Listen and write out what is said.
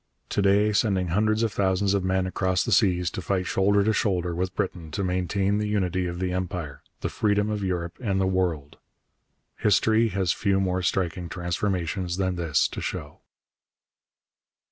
To day, sending hundreds of thousands of men across the seas to fight shoulder to shoulder with Britain to maintain the unity of the Empire, the freedom of Europe and the world! History has few more striking transformations than this to show.